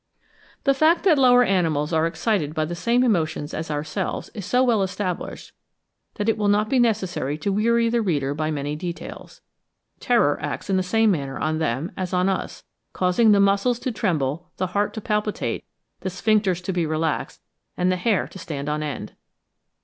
The fact that the lower animals are excited by the same emotions as ourselves is so well established, that it will not be necessary to weary the reader by many details. Terror acts in the same manner on them as on us, causing the muscles to tremble, the heart to palpitate, the sphincters to be relaxed, and the hair to stand on end.